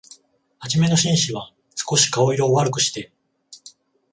はじめの紳士は、すこし顔色を悪くして、